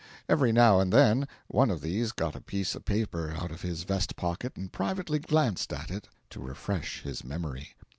Every now and then one of these got a piece of paper out of his vest pocket and privately glanced at it to refresh his memory.